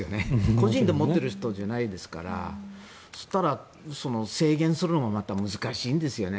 個人で持っているものじゃないですからそしたら、制限するのも難しいんですよね。